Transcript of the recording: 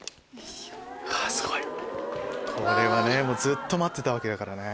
すごい！これはねずっと待ってたわけだからね。